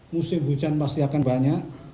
musim hujan pasti akan banyak